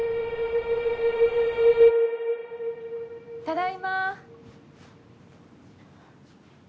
ただいま。